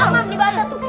mamam ini bahasa tuh